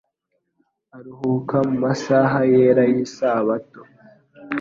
aruhuka mu masaha yera y'isabato.